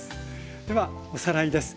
ではおさらいです。